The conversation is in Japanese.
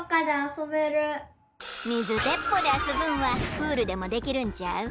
みずでっぽうであそぶんはプールでもできるんちゃう？